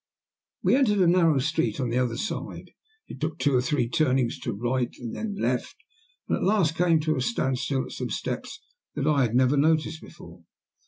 We entered a narrow street on the other side, took two or three turnings to right and left, and at last came to a standstill at some steps that I had never noticed before.